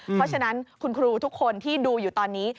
เพราะฉะนั้นคุณครูทุกคนที่ดูอยู่ตอนนี้